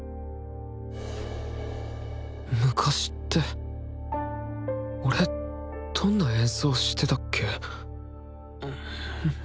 昔って俺どんな演奏してたっけ？